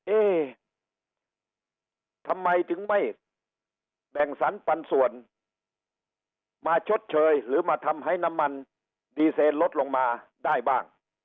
เอ๊ทำไมถึงไม่แบ่งสรรปันส่วนมาชดเชยหรือมาทำให้น้ำมันดีเซนลดลงมาได้บ้าง